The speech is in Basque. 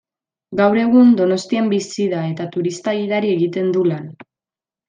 Gaur egun Donostian bizi da, eta turista-gidari egiten du lan.